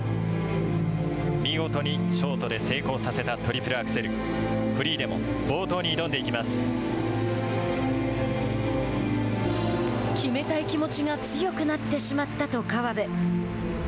見事にショートで成功させたトリプルアクセル決めたい気持ちが強くなってしまったと河辺。